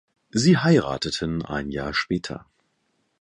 Sie heirateten ein Jahr später.